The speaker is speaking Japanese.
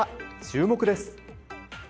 注目です。